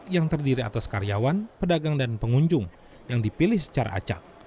yang terdiri atas karyawan pedagang dan pengunjung yang dipilih secara acak